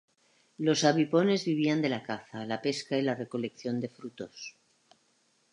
Los abipones vivían de la caza, la pesca y la recolección de frutos.